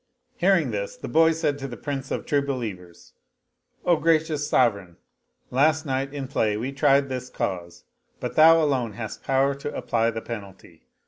Hearing this the boy said to the Prince of True Believers, " O gracious Sovereign, last night in play we tried this cause, but thou alone hast power to apply the penalty.